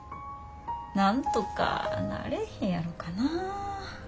なんとかなれへんやろかなぁ。